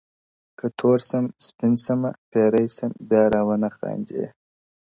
که تور سم” سپين سمه” پيری سم بيا راونه خاندې”